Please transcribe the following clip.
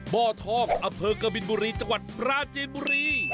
บ่อทองอำเภอกบินบุรีจังหวัดปราจีนบุรี